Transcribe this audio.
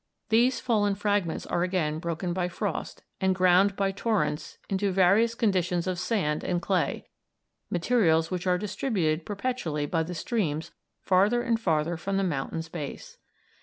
These fallen fragments are again broken by frost and ground by torrents into various conditions of sand and clay materials which are distributed perpetually by the streams farther and farther from the mountain's base.